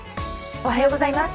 おはようございます。